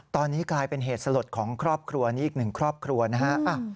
ตอนนี้กลายเป็นเหตุสลดของครอบครัวนี้อีกหนึ่งครอบครัวนะฮะ